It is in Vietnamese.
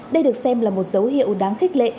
đây được xem là một dấu hiệu đáng khích lệ